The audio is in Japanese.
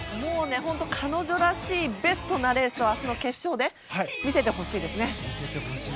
彼女らしいベストなレースを明日の決勝で見せてほしいですね。